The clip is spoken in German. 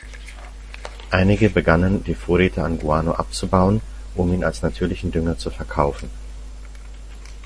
Einige begannen die Vorräte an Guano abzubauen, um ihn als natürlichen Dünger zu verkaufen.